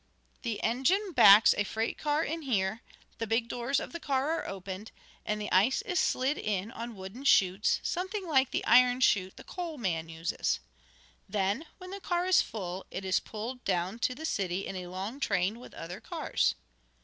The engine backs a freight car in here, the big doors of the car are opened, and the ice is slid in on wooden chutes, something like the iron chutes the coal man uses. Then, when the car is full, it is pulled down to the city in a long train, with other cars."